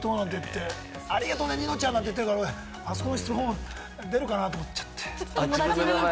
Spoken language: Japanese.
ありがとう、ニノちゃん！なんて言ってたから、あそこの質問出るかなと思っちゃって。